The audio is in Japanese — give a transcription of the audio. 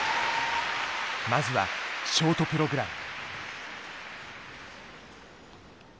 まずはショートプログラム。